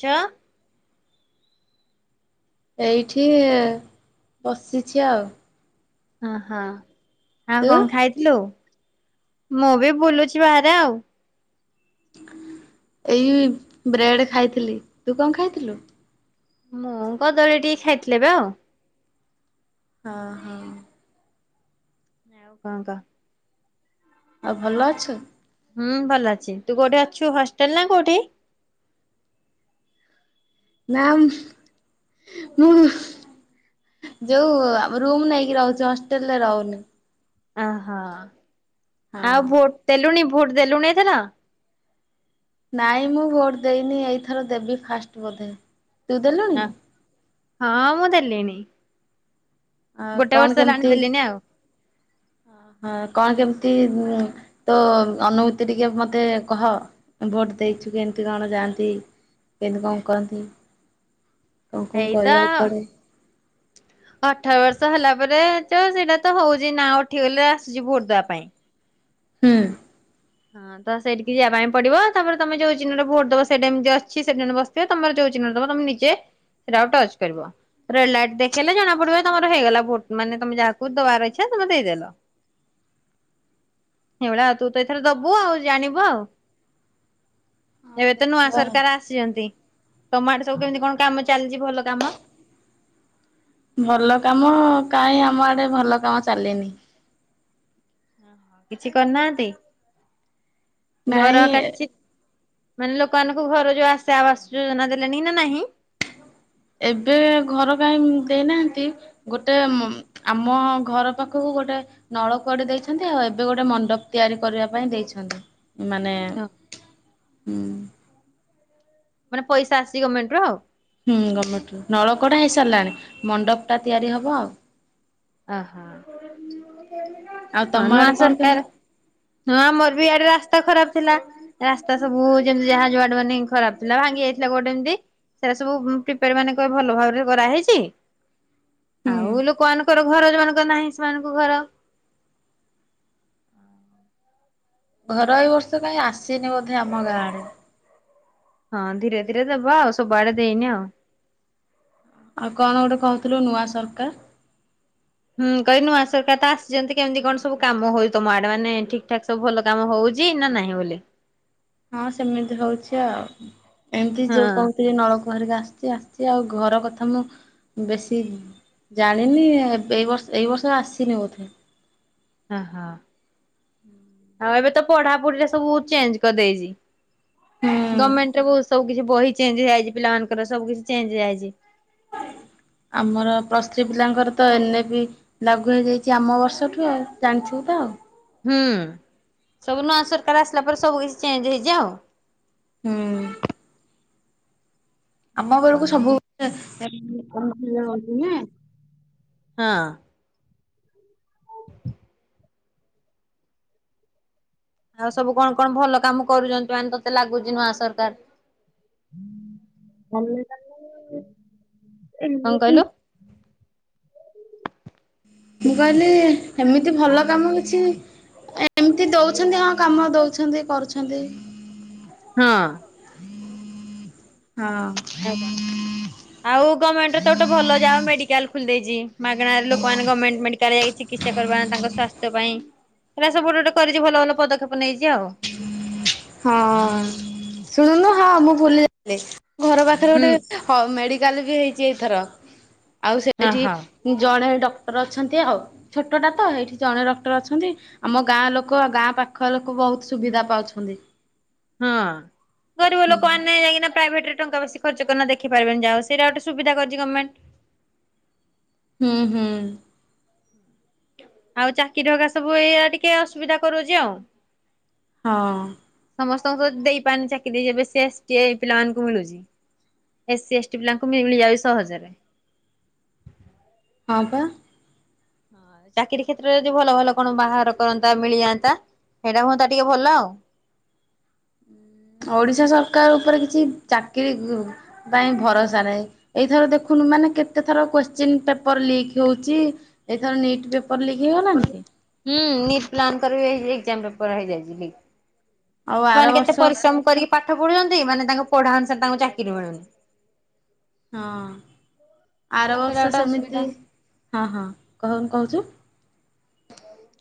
ଚ ଏଇଠି ବସିଛି ଆଉ। ଅହ ଆଉ ତୁ? କଣ ଖାଇଥିଲୁ? ମୁଁ ବି ବୁଲୁଛି ବାହାରେ ଆଉ। ଏଇ ବ୍ରେଡ୍ ଖାଇଥିଲି, ତୁ କଣ ଖାଇଥିଲୁ? ମୁଁ କଦଳୀ ଟିକେ ଖାଇଥିଲି ଏବେ ଆଉ। ଓହୋ। ଆଉ କଣ କହ? ଆଉ ଭଲ ଅଛୁ? ହୁଁ ଭଲ ଅଛି, ତୁ କୋଉଠି ଅଛୁ ହଷ୍ଟେଲ ନା କୋଉଠି? ନା ମୁ ଯୋଉ ରୁମ୍ ନେଇକି ରହୁଛୁ, ହଷ୍ଟେଲରେ ରହୁନୁ। ଆହ ହଁ। ଆଉ ଭୋଟ୍ ଦେଲୁଣି, ଭୋଟ୍ ଦେଲୁଣି ଏଥର। ନାଇ ମୁଁ ଭୋଟ ଦେଇନି, ଏଇଥର ଦେବି ଫାଷ୍ଟ ବୋଧେ, ତୁ ଦେଲୁଣି? ହଁ ମୁଁ ଦେଲିଣି। ଆ ଗୋଟେ କଣ ବର୍ଷ ହେଲାଣି କେମିତି ଦେଲିଣି ଆଉ। ହଁ କଣ କେମିତି, ଉଁ ତୋ ଅନୁଭୂତି ଟିକେ ମତେ କହ। ଭୋଟ ଦେଇଛୁ କେମିତି କଣ ଯାଆନ୍ତି, କେମିତି କଣ କରନ୍ତି? କଣ କଣ ଏଇତ କରିବାକୁ ପଡ଼େ? ଅଠର ବର୍ଷ ହେଲା ପରେ, ତ ସେଇଟା ତ ହଉଚି ନାଁ ଉଠିଗଲେ ଆସୁଚି ଭୋଟ ଦବା ପାଇଁ। ହୁଁ। ହଁ ତ ସେଇଟିକି ଯିବା ପାଇଁ ପଡିବ, ତାପରେ ତମେ ଯୋଉ ଚିହ୍ନରେ ଭୋଟ ଦବ ସେଟା ଏମିତି ଅଛି [unintelligible] ସେ ତମର ଯୋଉ ଚିହ୍ନରେ ଦବ ତମେ ନିଜେ ସେଟାକୁ ଟଚ୍ କରିବ। ରେଡ୍ ଲାଇଟ ଦେଖେଇଲେ, ଜଣା ପଡିବ ତମର ହେଇଗଲା, ଭୋଟ୍ ମାନେ ତମେ ଯାହାକୁ ଦବାର ଇଛା ତମେ ଦେଇଦେଲ। ଏଇଭଳିଆ ତୁ ତ ଥିରେ ଦବୁ ଆଉ ଜାଣିବ ଆଉ। ହଁ ଏବେ ତ ନୂଆ ଦେଖିବା। ସରକାର ଆସିଚନ୍ତି, ତମ ଆଡେ ସବୁ କେମିତି କଣ କାମ ଚାଲିଚି ଭଲ କାମ? ଭଲ କାମ କାଇଁ ଆମ ଆଡେ ଭଲ କାମ ଚାଲିନି। କିଛି କରିନାହାନ୍ତି ଘର ନାଇଁ ଆକା କିଛି ମାନେ ଲୋକମାନଙ୍କୁ ଘର ଯୋଉ ଆସେ ଆବାସ ଯୋଜନା ଦେଲେଣି ନା ନାହିଁ। ଏବେ ଘର କାଇଁ ଦେଇନାହାନ୍ତି ଗୋଟେ ମ ଆମ ଘର ପାଖୁକୁ ଗୋଟେ ନଳକୂଅଟେ ଦେଇଛନ୍ତି ଆଉ ଏବେ ଗୋଟେ ମଣ୍ଡପ ତିଆରି କରିବା ପାଇଁ ଦେଇଛନ୍ତି। ମାନେ ହଁ ଉଁ। ମାନେ ପଇସା ଆସିଚି ଗମେଣ୍ଟରୁ ଆଉ। ହୁଁ ଗମେଣ୍ଟରୁ ନଳକୂଅଟା ହେଇସାରିଲାଣି। ହ ମଣ୍ଡପଟା ତିଆରି ହବ ଆଉ। ଆହା ଆଉ ହଁ ତମ ନୂଆ ଆଡେ କଣ ସରକାର। କେମିତି ହଁ ଆମର ବି ଇଆଡେ ରାସ୍ତା ଖରାପ ଥିଲା। ରାସ୍ତା ସବୁ ଯେମିତି ଯାହା ଯୁଆଡୁ ମାନେ ଖରାପ ଥିଲା। ଭାଙ୍ଗି ଯାଇଥିଲା କୋଉଟି ଏମିତି। ସେଇଗୁରା ସବୁ ଉଁ ପ୍ରିପାର ମାନେ କହିବେ ଭଲ ଭାବରେ କରାହେଇଚି। ହୁଁ ଆଉ ଲୋକମାନଙ୍କର ଘର ଯୋଉମାନଙ୍କର ନାହିଁ ସେମାନଙ୍କୁ ଘର। ଘର ଏଇ ବର୍ଷ କାଇଁ ଆସିନି ବୋଧେ ଆମ ଗାଁ ଆଡେ। ହଁ ଧୀରେ ଧୀରେ ଦେବା ଆଉ ସବୁଆଡେ ଦେଇନି ଆଉ। ଆଉ କଣ ଗୋଟେ କହୁଥିଲୁ ନୂଆ ସରକାର? ହୁଁ କହିଲି ନୂଆ ସରକାର ତ ଆସିଛନ୍ତି କେମିତି କଣ ସବୁ କାମ ହଉଛି ତମ ଆଡେ? ମାନେ ଠିକ୍ ଠାକ୍ ସବୁ ଭଲ କାମ ହଉଚି ନା ନାହିଁ ବୋଲେ? ହଁ ସେମିତି ହଉଚି ଆଉ। ଏମିତି ଯୋଉ ହଁ କହୁଥିଲି ନଳକୂଅ ଘରିକା ଆସିଚି ଆସ୍ ଚି ଆଉ। ଘର କଥା ମୁଁ ବେଶୀ ଜାଣିନି ଏବେ ଏଇ ବର୍ଷ ଏଇ ବର୍ଷ ଆସିନି ବୋଧହୁଏ। ଓହୋ ଆଉ ଏବେ ତ ପଢାପଢିରେ ସବୁ ଚେଞ୍ଜ କରିଦେଇଚି। ହୁଁ ଗମେଣ୍ଟରେ ବହୁତ ସବୁ କିଛି ବହି ଚେଞ୍ଜ ହେଇଯାଇଚି। ପିଲାମାନଙ୍କର ସବୁ କିଛି ଚେଞ୍ଜ ହେଇଯାଇଚି। ଆମର ପ୍ଲସ୍ ଥ୍ରି ପିଲାଙ୍କର ତ ଏ ନେ ବି ଲାଗୁ ହେଇଯାଇଚି ଆମ ବର୍ଷଠୁ ଆଉ। ଜାଣିଥିବୁ ତ ଆଉ। ହୁଁ ସବୁ ନୂଆ ସରକାର ଆସିଲା ପରେ ସବୁ କିଛି ଚେଞ୍ଜ ହେଇଚି ଆଉ। ହୁଁ। ଆମ ଆଉ ବେଳୁକୁ କଣ କହ? ସବୁ [unintelligible] ନୁହେଁ? ହଁ। ଆଉ ସବୁ କଣ କଣ ଭଲ କାମ କରୁଚନ୍ତି ମାନେ ତତେ ଲାଗୁଚି ନୂଆ ସରକାର? କଣ କହିଲୁ [unintelligible] ମୁଁ କହିଲି ସେମିତି ଭଲ କାମ କିଛି ଏମିତି ଦଉଛନ୍ତି ହଁ କାମ ଦଉଛନ୍ତି କରୁଛନ୍ତି। ହଁ। ହଁ। ଆଉ କଣ? ଆଉ ଗମେଣ୍ଟରେ ତ ଗୋଟେ ଭଲ ଯାହା ହଉ ମେଡିକାଲ ଖୋଲି ଦେଇଛି। ମାଗେଣାରେ ଲୋକମାନେ ଗମେଣ୍ଟ ମେଡିକାଲରେ ଯାଇ ଚି କିତ୍ସା କରି [unintelligible] ତାଙ୍କ ସ୍ୱାସ୍ଥ୍ୟ ପାଇଁ। ପୁରା ସବୁ ଗୋଟେ ଗୋଟେ କରିଛି ଭଲ ଭଲ ପଦକ୍ଷେପ ନେଇଛି ଆଉ। ହଁ ଶୁଣୁନୁ ହଁ ମୁଁ ଭୁଲି ଯାଇଥିଲି [unintelligible] ଘର ପାଖରେ ହୁଁ ଗୋଟେ ହଁ ମେଡିକାଲ ବି ହେଇଛି ଏଇଥର। ଆଉ ସେଇଠି ଓହୋ ଜଣେ ଡକ୍ଟର ଅଛନ୍ତି ଆଉ। ଛୋଟଟା ତ ଏଇଠି ଜଣେ ଡକ୍ଟର ଅଛନ୍ତି। ଆମ ଗାଁ ଲୋକ ଆଉ ଗାଁ ପାଖ ଲୋକ ବହୁତ ସୁବିଧା ପାଉଛନ୍ତି। ହଁ ଗରିବ ହୁଁ। ଲୋକମାନେ ଯାଇକିନା ପ୍ରାଇଭେଟରେ ଟଙ୍କା ବେଶୀ ଖ ର୍ଚ୍ଚ କରିନା ଦେଖିପାରିବେନି। ଯାହା ହଉ ସେଇଟା ଗୋଟେ ସୁବିଧା କରିଚି ଗମେଣ୍ଟ। ହୁଁ ହୁଁ। ଆଉ ଚାକିରି ଅଗା ସବୁ ଏଇଆ ଟିକେ ଅସୁବିଧା କରଉଛି ଆଉ। ହଁ। ସମସ୍ତଙ୍କୁ ତ ଦେଇପାରୁନି ଚାକିରି, ଯେବେ ସେ ଏସ୍ ଟି ଆଇ ପିଲାମାନଙ୍କୁ ମିଳୁଚି। ଏସ୍ ସି ଏଷ୍ଟି ପିଲାଙ୍କୁ ମିଳିଯାଉଚି ସହଜରେ। ହଁ-ପା। ଚାକିରୀ କ୍ଷେତ୍ରରେ ଯଦି ଭଲ ଭଲ କଣ ବାହାର କରନ୍ତା, ମିଳିଯାନ୍ତା? ହେଇଟା ହୁଅନ୍ତା, ଟିକେ ଭଲ ଆଉ। ଓଡିଶା ସରକାର ଉପରେ କିଛି ଚାକିରି-ଗ ପାଇଁ ଭରସା ନାହିଁ। ଏଇଥର ଦେଖୁନୁ, ମାନେ କେତେ ଥର କୋଶ୍ଚିନ୍ ପେପର ଲିକ୍ ହେଉଚି? ଏଇଥର ନିଟ୍ ପେପ୍ ପର୍ ଲିକ୍ ହେଇଗଲାନି କି? ହୁଁ, ନିଟ୍ ପ୍ଲାନ୍ କରିବି, ଏକ୍ଜାମ୍ ପେପର ହେଇଯାଇଛି ଲିକ୍। ଆଉ ଆର ସେମାନେ କେତେ ବର୍ଷ ପରିଶ୍ରମ କରିକି ପାଠ ପଢୁଛନ୍ତି? ମାନେ ତାଙ୍କ ପଢା ଅନୁସାରେ ତାଙ୍କୁ ଚାକିରି ମିଳୁନି। ହଁ, ଆର ସେଇଟା ବର୍ଷ ଗୋଟେ ଅସୁବିଧା। ସେମିତି ହଁ, ହଁ କହୁନ୍ କହୁଚୁ?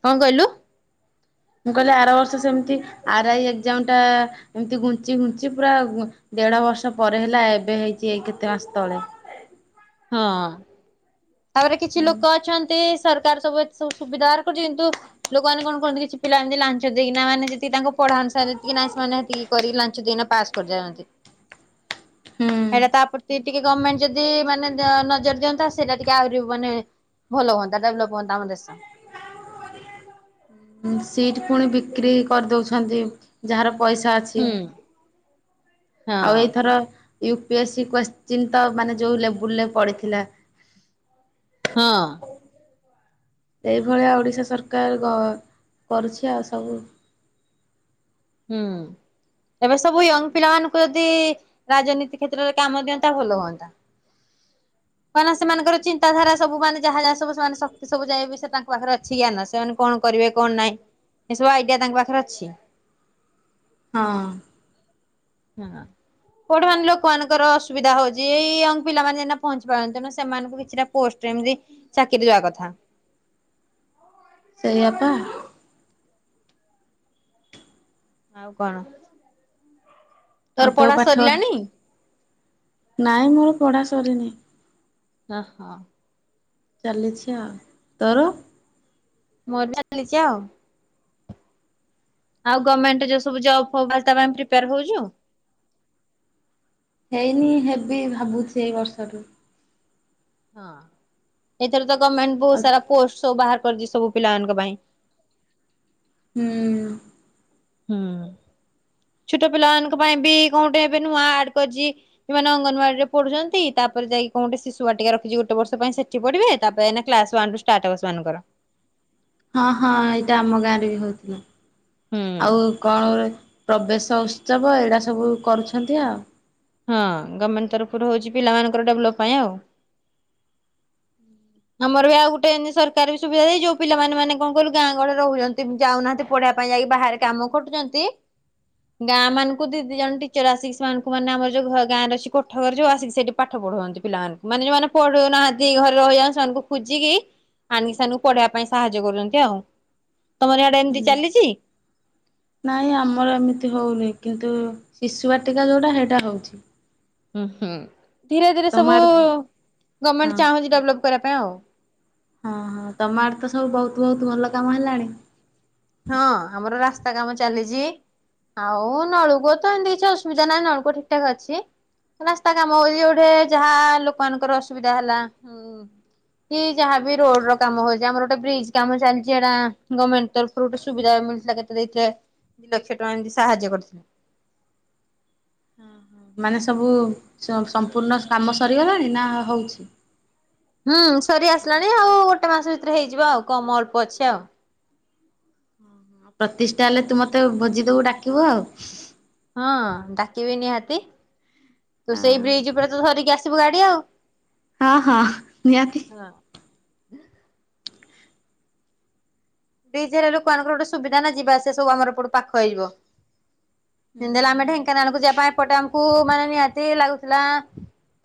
କଣ କହିଲୁ? ମୁଁ, କହିଲି ଆର ବର୍ଷ ସେମିତି, ଆର୍ ଆଇ ଏକ୍ଜାମ୍ ଟା ଏମିତି ଘୁଞ୍ଚି ଘୁଞ୍ଚି ପୁରା ଦେଢ ବର୍ଷ ପରେ ହେଲା, ଏବେ ହେଇଛି ଏଇ କେତେ ମାସ ତଳେ? ହଁ, ତା'ପରେ କିଛି ଲୋକ ଅଛନ୍ତି, ସରକାର ସବୁ ଏତ୍ ସବୁ ସୁବିଧା ହାର କରୁଚି, ଇନ୍ତୁ ଲୋକମାନେ କଣ କରନ୍ତି? କିଛି ପିଲା ଏମତି ଲାଞ୍ଚ ଦେଇକିନା ମାନେ, ଯେତିକି ତାଙ୍କ ପଢା ଅନୁସାରେ, ଯେତିକି ନା ସେମାନେ ହେତିକି କରି ଲାଞ୍ଚ ଦେଇନା ପାସ୍ କରିଯାଆନ୍ତି। ହୁଁ ହେଟା ତା ପ୍ରତି ଟିକେ ଗଭର୍ମେଣ୍ଟ ଯଦି ମାନେ ଯା ନଜର ଦିଅନ୍ତା ସେଇଟା ଟିକେ ଆହୁରି ମାନେ ଭଲ ହୁଅନ୍ତା, ଡେଭଲପ୍ ହୁଅନ୍ତା ଆମ ଦେଶ। ସିଟ୍ ପୁଣି ବିକ୍ରି କରିଦଉଛନ୍ତି ଯାହାର ପଇସା ଅଛ୍ ଛି ହୁଁ ହଁ ଆଉ, ଏଇଥର ୟୁ ପି ଏସି କ୍ୱଶ୍ଚିନ୍ ତ, ମାନେ ଯେଉଁ ଲେବୁଲ୍ ରେ ପଡ଼ିଥିଲା। ହଁ। ଏଇଭଳିଆ ଓଡ଼ିଶା ସରକାର ଗ କରୁଛି ଆଉ ସବୁ। ହୁଁ, ଏବେ ସବୁ ୟଙ୍ଗ୍ ପିଲା ମାନଙ୍କୁ ଯଦି ରାଜନୀତି କ୍ଷେତ୍ରରେ କାମ ଦିଅନ୍ତା, ଭଲ ହୁଅନ୍ତା। କାଇଁନା ସେମାନଙ୍କର ଚିନ୍ତାଧାରା ସବୁ ମାନେ ଯାହା ଯାହା ସବୁ ସେମାନେ ଶକ୍ତି ସବୁ ଯାଇ ବି ସେ ତାଙ୍କ ପାଖରେ ଅଛି ଜ୍ଞାନ, ସେମାନେ କଣ କରିବେ, କଣ ନାହିଁ? ଏସବୁ ଆଇଡିଆ ତାଙ୍କ ପାଖରେ ଅଛି। ହଁ। ହେନା। କଉଠି ମାନେ ଲୋକମାନଙ୍କର ଅସୁବିଧା ହଉଚି, ଏଇ ୟଙ୍ଗ୍ ପିଲାମାନେ ଯାଇକିନା ପହଞ୍ଚି ପାରନ୍ତେ ନା, ସେମାନଙ୍କୁ କିଛିଟା ପୋଷ୍ଟ ଏମିତି, ଚାକିରି ଦବା କଥା। ସେଇଆ ପା। ଆଉ କଣ? ଆଉ ତର ତୋ ପଢା ପାଠ ସରିଲାଣି? ନାଇଁ, ମୋର ପଢା ସରିନି। ଅ, ହ। ଚାଲିଛି ଆଉ। ତୋର? ମୋର ବା ଚାଲିଚି ଆଉ। ଆଉ ଗମେଣ୍ଟ ରେ ଯଉ ସବୁ ଜବ୍ ଫବ୍ ବାହାରୁ, ତା ପାଇଁ ପ୍ରିପେୟାର ହଉୁଚୁ? ହେଇନି ହେବି, ଭାବୁଚି ଏଇ ବର୍ଷଠୁ। ହଁ, ଏଇଥର ତ ଗମେଣ୍ଟ ବହୁତ ଆଉ ସାରା ପୋଷ୍ଟ ସବୁ ବାହାର କରିଛି, ସବୁ ପିଲାମାନଙ୍କ ପାଇଁ। ହୁଁ। ହୁଁ। ହୁଁ, ଛୋଟ ପିଲାମାନଙ୍କ ପାଇଁ ବି କଣ ଗୋଟେ ଏବେ ନୂଆ ଆଡ୍ କରିଚି? ଯୋଉମାନେ ଅଙ୍ଗନବାଡିରେ ପଢୁଛନ୍ତି ତାପରେ ଯାଇକି କଣ ଗୋଟେ ଶିଶୁ ବାଟିକା ରଖିଛି ଗୋଟେ ବର୍ଷ ପାଇଁ ସେଠି ପଢିବେ। ତାପରେ ଏଇନେ କ୍ଲାସ୍ ୱାନ୍ ଠୁ ଷ୍ଟାର୍ଟ ହବ ସେମାନଙ୍କର। ହଁ ହଁ ଏଇଟା ଆମ ଗାଁରେ ବି ହଉଥିଲା। ହୁଁ ଆଉ କଣ ଉ ପ୍ରବେଶ ଉତ୍ସବ ଏଇଡ଼ା ସବୁ କରୁଛନ୍ତି ଆଉ। ହଁ ଗମେଣ୍ଟ ତରଫରୁ ହଉଚି ପିଲାମାନଙ୍କର ଡେଭଲପ ପାଇଁ ଆଉ। ଆମର ବି ଆଉ ଗୋଟେ ଏଇନି ସରକାର ବି ସୁବିଧା ଦେଇ ଯୋଉ ପିଲାମାନେ ମାନେ କଣ କହିଲୁ ଗାଁ ଗହଳିରେ ରହୁଛନ୍ତି ଯାଉନାହାନ୍ତି ପଢିବା ପାଇଁ ଯାଇକି ବାହାରେ କାମ କରୁଚନ୍ତି ଗାଁ ମାନଙ୍କୁ ଦି ଦି ଜଣ ଟିଚର ଆସିକି ସେମାନଙ୍କୁ ମାନେ ଆମର ଯୋଉ ଗାଁରେ ଅଛି କୋଠ ଘର ଯୋଉ ଆସିକି ସେଠି ପାଠ ପଢଉହନ୍ତି ପିଲାମାନଙ୍କୁ ମାନେ ଯୋଉମାନେ ପଢୁନାହାନ୍ତି ଘରେ ରହିଯାନ୍ତି ସେମାନଙ୍କୁ ଖୋଜିକି ଆଣି ସେମାନଙ୍କୁ ପଢେଇବା ପାଇଁ ସାହାଯ୍ୟ କରୁଛନ୍ତି ଆଉ। ତମର ଇଆଡେ ଏମିତି ହୁଁ ଚାଲିଚି? ନାଇଁ ଆମର ଏମିତି ହଉନି କିନ୍ତୁ ଶିଶୁ ବାଟିକା ଯଉଟା ସେଇଟା ହଉଚି। ହୁଁ ହୁଁ ଧୀରେ ଧୀରେ ତମ ସବୁ ଆଡେ ହଁ ଗମେଣ୍ଟ ଚାହୁଁଛି ଡେଭଲପ କରିବା ପାଇଁ ଆଉ। ହଁ ହଁ ତମ ଆଡେ ତ ସବୁ ବହୁତ ବହୁତ ଭଲ କାମ ହେଲାଣି। ହଁ ଆମର ରାସ୍ତା କାମ ଚାଲିଚି। ଆଉ ନଳୂକୂଅ ତ ଏମିତି କିଛି ଅସୁବିଧା ନାହିଁ ନଳକୂଅ ଠିକ ଠାକ ଅଛି। ରାସ୍ତା କାମ ହଉଚି ଯୋଉଠି ଯାହା ଲୋକମାନାନଙ୍କର ଅସୁବିଧା ହେଲା କି ଯାହା ବି ରୋଡ ର କାମ ହଉଛି, ଆମର ଗୋଟେ ବ୍ରିଜ କାମ ଚାଲିଚି ସେଟା ଗମେଣ୍ଟ ତରଫ ରୁ ଗୋଟେ ସୁବିଧା ମିଳିଥିଲା କେତେ ଦେଇଥିଲେ ଲକ୍ଷ ଟଙ୍କା ଏମିତି ସାହାଯ୍ୟ କରିଥିଲେ। ମାନେ ସବୁ ସମ୍ପୂର୍ଣ୍ଣ କାମ ସରିଗଲାଣି ନା ହଉଚି? ହୁଁ ସରି ଆସିଲାଣି ଆଉ ଗୋଟେ ମାସ ଭିତରେ ହେଇଯିବ ଆଉ କମ ଅଳ୍ପ ଅଛି ଆଉ। ପ୍ରତିଷ୍ଠା ହେଲେ ତୁ ମତେ ଭୋଜି ଦବୁ ଡାକିବୁ ଆଉ। ହଁ ଡାକିବି ନିହାତି ତୁ ସେଇ ବ୍ରିଜ୍ ଉପରେ ତୁ ଧରିକି ଆସିବୁ ଗାଡି ଆଉ। ହଁ ହଁ ନିହାତି। ହଁ। ବ୍ରିଜ ହେଲେ ଲୋକମାନଙ୍କର ଗୋଟେ ସୁବିଧା ନା ଯିବା ଆସିବା ସବୁ ଆମର ଏପଟୁ ପାଖ ହେଇଯିବ। ଯେମତି ହେଲେ ଆମେ ଢେଙ୍କାନାଳକୁ ଯିବା ପାଇଁ ଏପଟେ ଆମକୁ ମାନେ ନିହାତି ଲାଗୁଥିଲା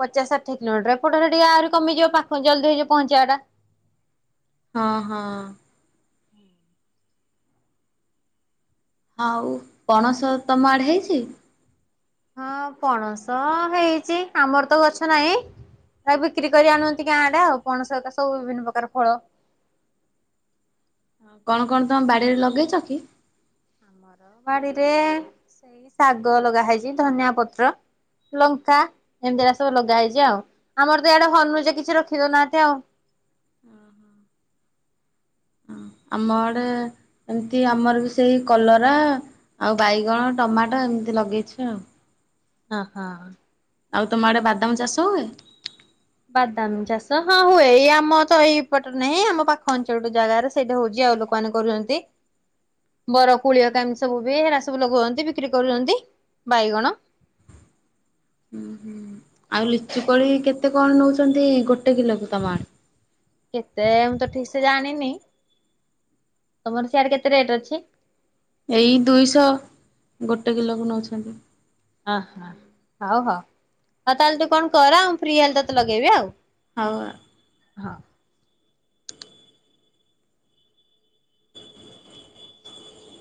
ପଚା ଷାଠିଏ କିଲୋମିଟର ଏପଟେ ଟିକେ ଆହୁରି କମିଯିବ ପାଖ ଜଲଦ ହେଇଯିବ ପହଞ୍ଚିବାଟା। ହଁ ହଁ। ଆଉ ପଣସ ତମ ଆଡ଼େ ହେଇଚି? ହଁ ପଣସ ହେଇଚି ଆମର ତ ଗଛ ନାହିଁ। ତା ବିକ୍ରି କରି ଆଣନ୍ତି ଗାଁ ଆଡେ ଆଉ ପଣସ ସହିତ ସବୁ ବିଭିନ୍ନ ପ୍ରକାର ଫଳ। କଣ କଣ ତମ ବାଡିରେ ଲଗେଇଛ କି? ଆମର ବାଡିରେ ସେଇ ଶାଗ ଲଗା ହେଇଛି ଧନିଆ ପତ୍ର ଲଙ୍କା ଏମିତି ଅରା ସବୁ ଲଗା ହେଇଛି ଆଉ ଆମର ତ ଏଆଡେ ହନୁ ଯେ କିଛି ରଖେଇ ଦଉନାହାନ୍ତି ଆଉ। ଆମ ଆଡ଼େ ଏମିତି ଆମର ବି ସେଇ କଲରା ଆଉ ବାଇଗଣ ଟମାଟୋ ଏମିତି ଲଗେଇଛି ଆଉ। ଅ ହଁ। ଆଉ ତମ ଆଡେ ବାଦାମ ଚାଷ ହୁଏ? ବାଦାମ ଚାଷ ହଁ ହୁଏ ଏଇ ଆମ ତ ଏଇପଟରେ ନାହିଁ ଆମ ପାଖ ଅଞ୍ଚଳ ଜାଗାରେ ସେଇଠି ହଉଛି ଆଉ ଲୋକମାନେ କରୁଛନ୍ତି। ବରକୁଳି ଅରିକା ଏମିତି ସବୁ ବି ହେରା ସବୁ ଲଗଉଛନ୍ତି ବିକ୍ରି କରୁଛନ୍ତି। ବାଇଗଣ ଉ ହୁଁ ଆଉ ଲିଚୁକୋଳି କେତେ କଣ ନଉଛନ୍ତି ଗୋଟେ କିଲୋକୁ ତମ ଆଡେ? କେତେ ମୁଁ ତ ଠିକ ସେ ଜାଣିନି। ତମର ସିଆଡେ କେତେ ରେଟ ଅଛି? ଏଇ ଦୁଇଶହ ଗୋଟେ କିଲୋକୁ ନଉଛନ୍ତି। ଅହ ହଉ ହଉ ଆଉ ତାହେଲେ ତୁ କଣ କର ଆଉ ଫ୍ରି ହେଲେ ତତେ ଲଗେଇବି ଆଉ। ହଉ ଆଉ। ହଁ।